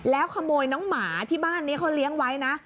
แล้วขโมยน้องหมาที่บ้านนี้เขาเลี้ยงไว้นะ